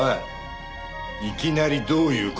いきなりどういう事だよ？